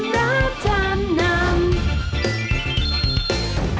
เกมรับจำนำ